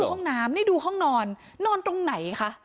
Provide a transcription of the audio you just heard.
ห้องน้ำนี่ดูห้องนอนนอนตรงไหนคะ